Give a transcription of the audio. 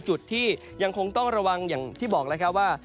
จุดที่ยังคงต้องระวังอย่างที่บอกแล้วครับว่า